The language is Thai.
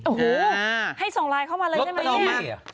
โอ้โหให้ส่งไลน์เข้ามาเลยใช่ไหมเนี่ย